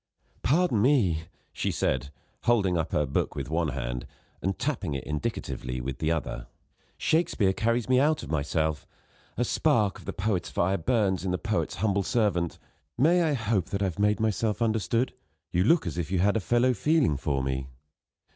"Pardon me," she said, holding up her book with one hand, and tapping it indicatively with the other: "Shakespeare carries me out of myself. A spark of the poet's fire burns in the poet's humble servant. May I hope that I have made myself understood? You look as if you had a fellow feeling for me."